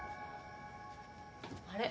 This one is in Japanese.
あれ？